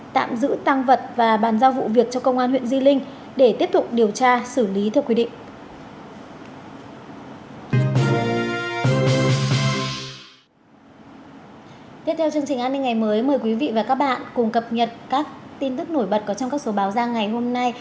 tạm giữ tăng vật và bàn giao vụ việc cho công an huyện di linh để tiếp tục điều tra xử lý theo quy định